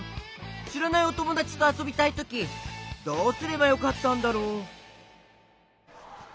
しらないおともだちとあそびたいときどうすればよかったんだろう？